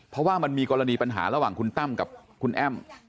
เพราะว่ามันมีกรณีปัญหาระหว่างคุณตั้มกับคุณแอ้ม